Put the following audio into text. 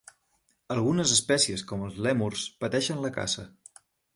Algunes espècies com els lèmurs pateixen la caça.